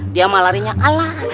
dia mah larinya alah